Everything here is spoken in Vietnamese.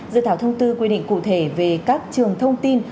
dự thảo thông tư quy định cụ thể về các trường thông tin